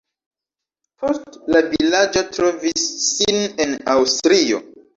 Poste la vilaĝo trovis sin en Aŭstrio.